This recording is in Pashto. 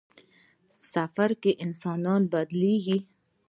سفر کې انسان بدلېږي.